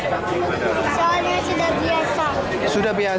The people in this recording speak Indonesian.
soalnya sudah biasa